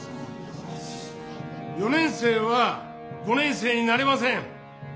「４年生は５年生になれません。